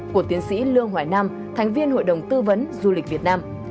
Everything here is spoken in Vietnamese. của tiến sĩ lương hoài nam thành viên hội đồng tư vấn du lịch việt nam